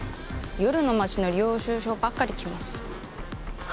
夜の街の領収書ばかり来ます。